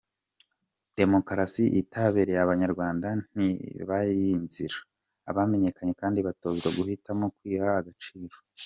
Demokarasi itabereye Abanyarwanda ntibayiha inzira, bamenye kandi batozwa guhitamo kwiha “Agaciro”.